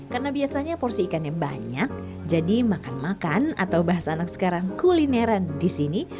karena biasanya porsi ikan yang banyak jadi makan makan atau bahasa anak sekarang kulineran di sini